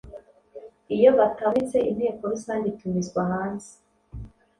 iyo batabonetse inteko rusange itumizwa hanze